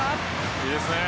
いいですね